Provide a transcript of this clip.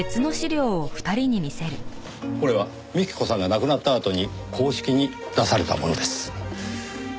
これは幹子さんが亡くなったあとに公式に出されたものです。